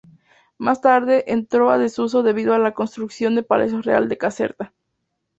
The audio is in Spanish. Más tarde entró en desuso debido a la construcción del Palacio Real de Caserta.